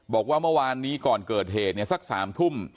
บอกว่าเมื่อวานนี้ก่อนเกิดเหตุเนี่ยสัก๓ทุ่ม